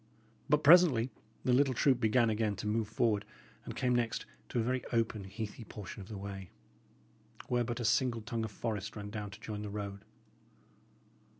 But presently the little troop began again to move forward, and came next to a very open, heathy portion of the way, where but a single tongue of forest ran down to join the road.